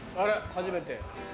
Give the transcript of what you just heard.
初めて。